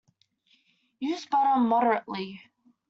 Use butter moderately.